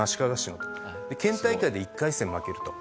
県大会で１回戦負けると。